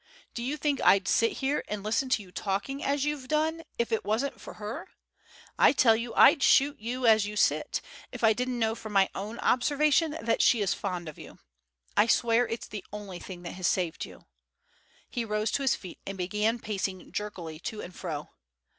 Do you think I'd sit here and listen to you talking as you've done if it wasn't for her? I tell you I'd shoot you as you sit, if I didn't know from my own observation that she is fond of you. I swear it's the only thing that has saved you." He rose to his feet and began pacing jerkily to and fro.